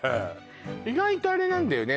意外とあれなんだよね